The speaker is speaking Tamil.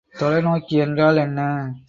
தொலைநோக்கி என்றால் என்ன?